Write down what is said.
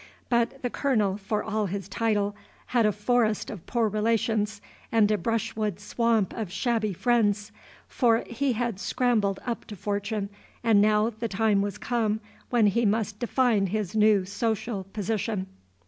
But the Colonel, for all his title, had a forest of poor relations and a brushwood swamp of shabby friends, for he had scrambled up to fortune, and now the time was come when he must define his new social position.